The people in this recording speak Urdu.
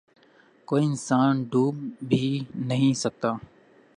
کوئی انسان ڈوب بھی نہیں سکتا